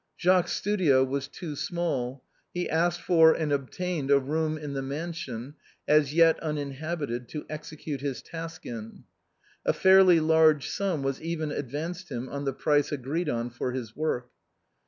Jacques's studio was too small, he asked for and obtained a room in the mansion, as yet uninhabitated, to execute his task in. A fairly large sum Veas even advanced him on the price agreed on for his work.